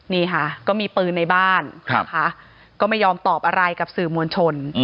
นี่ค่ะก็มีปืนในบ้านนะคะก็ไม่ยอมตอบอะไรกับสื่อมวลชน